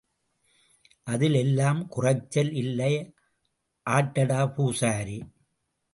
அதில் எல்லாம் குறைச்சல் இல்லை ஆட்டடா பூசாரி.